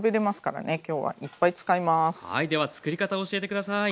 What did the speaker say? はいでは作り方を教えて下さい。